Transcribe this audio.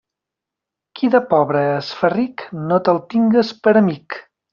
Qui de pobre es fa ric, no te'l tingues per amic.